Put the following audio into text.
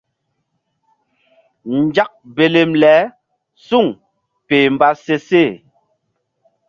Nzak belem le suŋ peh mba se seh.